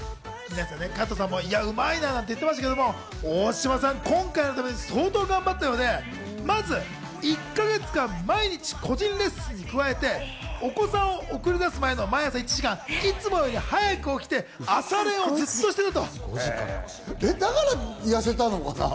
加藤さんもうまいなと言ってましたけれども、大島さんは今回のために相当頑張ったようで、まず１か月間、毎日個人レッスンに加えて、お子さんを送り出す前の毎朝１時間、いつもより早く起きて朝練をだから痩せたのかな？